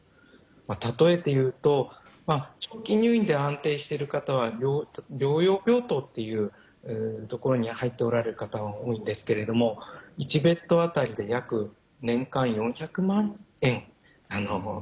例えて言うと長期入院で安定してる方は療養病棟っていうところに入っておられる方が多いんですけれども１ベッドあたりで約年間４００万円